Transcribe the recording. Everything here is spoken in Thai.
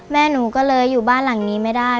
แม่หนูก็เลยอยู่บ้านหลังนี้ไม่ได้